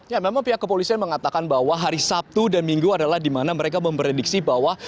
ya memang pihak kepolisian mengatakan bahwa hari sabtu dan minggu adalah di mana mereka memprediksi bahwa